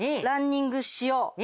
ランニングしよう。